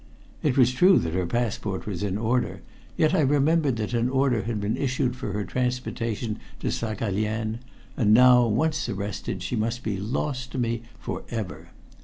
It was true that her passport was in order, yet I remembered that an order had been issued for her transportation to Saghalien, and now once arrested she must be lost to me for ever.